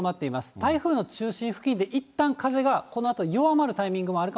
台風の中心付近でいったん風がこのあと弱まるタイミングがあるか